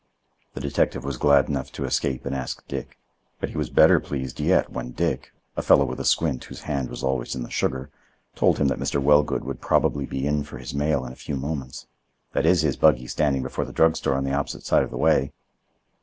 The detective was glad enough to escape and ask Dick. But he was better pleased yet when Dick—a fellow with a squint whose hand was always in the sugar—told him that Mr. Wellgood would probably be in for his mail in a few moments. "That is his buggy standing before the drug store on the opposite side of the way."